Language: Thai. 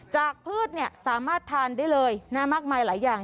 พืชสามารถทานได้เลยมากมายหลายอย่าง